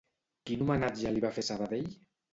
Quin homenatge li va fer Sabadell?